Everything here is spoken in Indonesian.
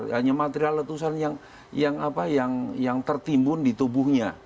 hanya material letusan yang tertimbun di tubuhnya